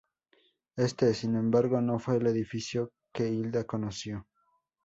Este, sin embargo, no fue el edificio que Hilda conoció.